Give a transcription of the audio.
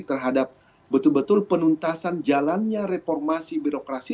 terhadap betul betul penuntasan jalannya reformasi birokrasi